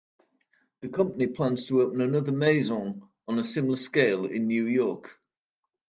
The company plans to open another "Maison," on a similar scale, in New York.